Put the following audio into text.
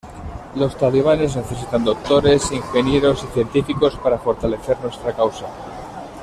Los talibanes necesitan doctores, ingenieros y científicos para fortalecer nuestra causa.